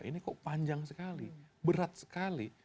ini kok panjang sekali berat sekali